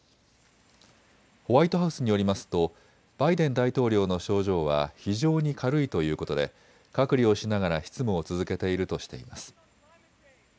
ホワイトハウスによりますとバイデン大統領の症状は非常に軽いということで隔離をしながら執務を続けているとしています。